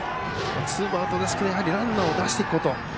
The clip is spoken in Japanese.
ツーアウトですがランナーを出していくこと。